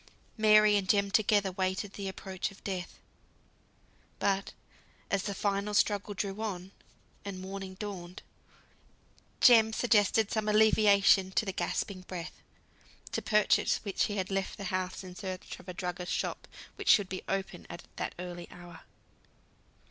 Mary and Jem together waited the approach of death; but as the final struggle drew on, and morning dawned, Jem suggested some alleviation to the gasping breath, to purchase which he left the house in search of a druggist's shop, which should be open at that early hour.